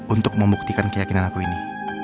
untuk membuktikan keyakinan aku ini